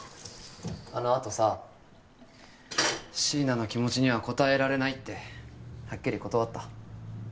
あのあとさ椎名の気持ちには応えられないってはっきり断った。